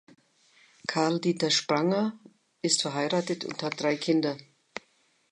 Carl-Dieter Spranger ist verheiratet und hat drei Kinder.